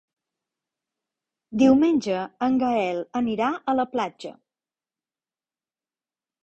Diumenge en Gaël anirà a la platja.